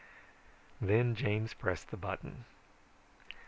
Then James pressed the button.